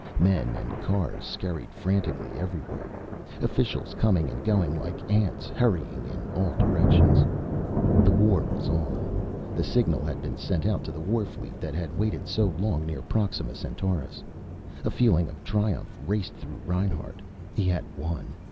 Men and cars scurried frantically everywhere. Officials coming and going like ants, hurrying in all directions. The war was on. The signal had been sent out to the warfleet that had waited so long near Proxima Centaurus. A feeling of triumph raced through Reinhart. He had won.